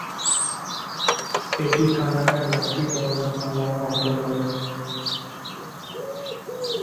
এটি কানাডিয় রকি পর্বতমালার অন্তর্গত।